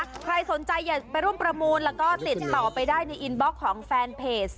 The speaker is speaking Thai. ใครสนใจอยากไปร่วมประมูลแล้วก็ติดต่อไปได้ในอินบล็อกของแฟนเพจ